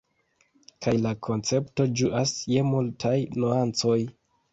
Kaj la koncepto ĝuas je multaj nuancoj.